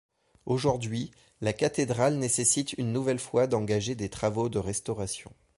Aujourd’hui, la cathédrale nécessite une nouvelle fois d'engager des travaux de restauration.